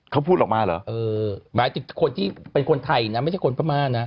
เขาพูดออกมาเหรอเออหมายถึงคนที่เป็นคนไทยนะไม่ใช่คนพม่านะ